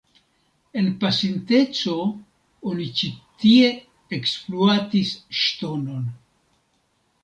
En pasinteco oni ĉi tie ekspluatis ŝtonon.